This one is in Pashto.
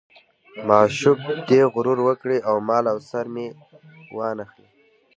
معشوق دې غرور وکړي او مال او سر مې وانه خلي.